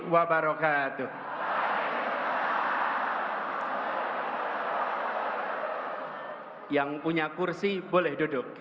mana yang dari aceh